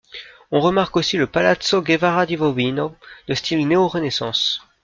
On remarque aussi le palazzo Guevara di Bovino de style néorenaissance.